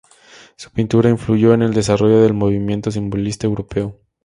Su pintura influyó en el desarrollo del movimiento simbolista europeo.